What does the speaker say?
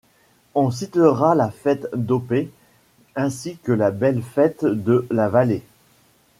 On citera la fête d'Opet, ainsi que la belle fête de la vallée.